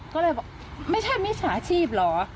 ก็เลยบอกไม่ใช่มิจฉาชีพเหรอ